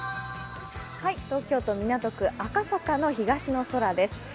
東京都港区赤坂の東の空です。